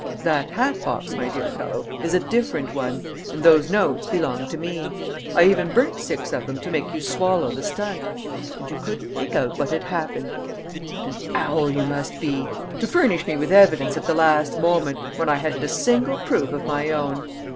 That hat box, my dear fellow, is a different one; and those notes belong to me. I even burnt six of them to make you swallow the stunt. And you couldn't make out what had happened. What an owl you must be! To furnish me with evidence at the last moment, when I hadn't a single proof of my own!